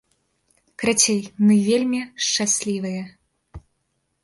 Карацей, мы вельмі шчаслівыя!